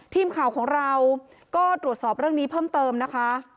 ทีมข่าวของเราก็ตรวจสอบเรื่องนี้เพิ่มเติมนะคะ